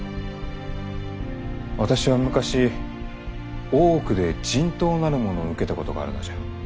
私は昔大奥で人痘なるものを受けたことがあるのじゃ。